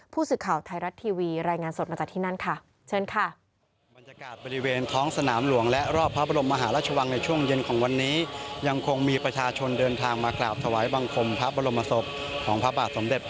ผู้สึกข่าวไทยรัฐทีวีรายงานสดมาจากที่นั่นค่ะ